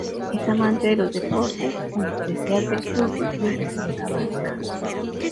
Es amante de los deportes, en especial del fútbol y de la pelota vasca.